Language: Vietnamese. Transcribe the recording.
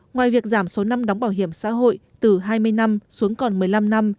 ngoài việc giảm số năm đóng bảo hiểm xã hội từ hai mươi năm xuống còn một mươi năm năm